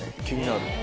気になる。